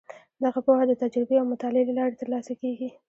دغه پوهه د تجربې او مطالعې له لارې ترلاسه کیږي.